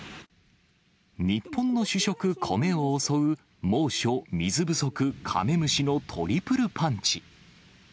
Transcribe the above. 日本の主食、米を襲う、猛暑、水不足、カメムシのトリプルパンチ。